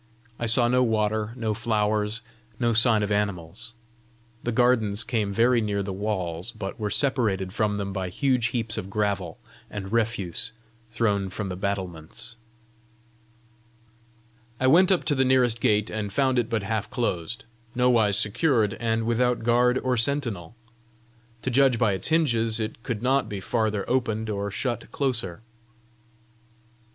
I saw no water, no flowers, no sign of animals. The gardens came very near the walls, but were separated from them by huge heaps of gravel and refuse thrown from the battlements. I went up to the nearest gate, and found it but half closed, nowise secured, and without guard or sentinel. To judge by its hinges, it could not be farther opened or shut closer.